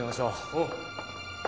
おう。